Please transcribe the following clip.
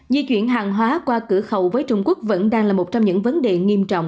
di chuyển hàng hóa qua cửa khẩu với trung quốc vẫn đang là một trong những vấn đề nghiêm trọng